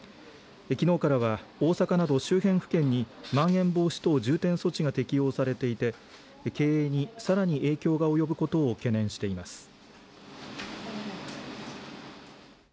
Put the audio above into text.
きのうからは大阪など周辺府県にまん延防止等重点措置が適用されていて経営に、さらに影響が及ぶことを懸念しています。